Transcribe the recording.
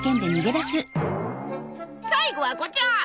最後はこちら。